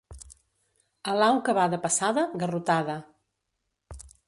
A l'au que va de passada, garrotada.